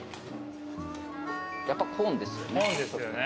やっぱコーンですよね。